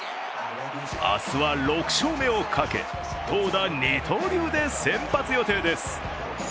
明日は６勝目をかけ、投打二刀流で先発予定です。